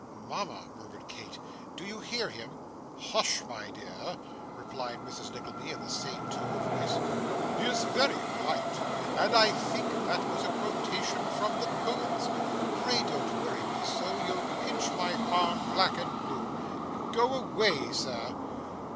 'Mama,' murmured Kate, 'do you hear him?' 'Hush, my dear!' replied Mrs. Nickleby, in the same tone of voice, 'he is very polite, and I think that was a quotation from the poets. Pray, don't worry me so you'll pinch my arm black and blue. Go away, sir!